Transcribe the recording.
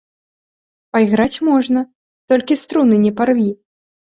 Пайграць можна, толькі струны не парві.